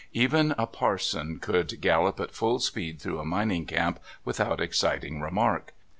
Even a parson could gallop at full speed through a mining camp without exciting remark.